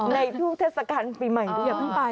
ในช่วงเทศกาลปีใหม่ด้วยอย่าต้องไป